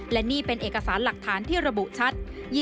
และนี่เป็นเอกสารหลักฐานที่ระบุชัด